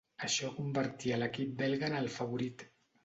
Això convertia l'equip belga en el favorit.